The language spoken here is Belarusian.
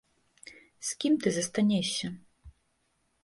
З кім ты застанешся?